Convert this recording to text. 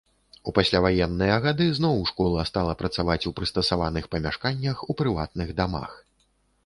У пасляваенныя гады зноў школа стала працаваць у прыстасаваных памяшканнях, у прыватных дамах.